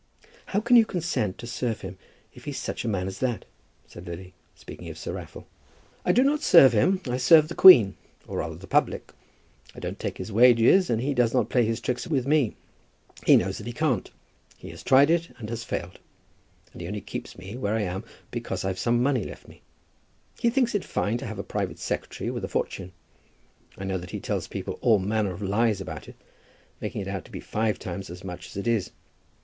"How can you consent to serve him if he's such a man as that?" said Lily, speaking of Sir Raffle. "I do not serve him. I serve the Queen, or rather the public. I don't take his wages, and he does not play his tricks with me. He knows that he can't. He has tried it, and has failed. And he only keeps me where I am because I've had some money left me. He thinks it fine to have a private secretary with a fortune. I know that he tells people all manner of lies about it, making it out to be five times as much as it is.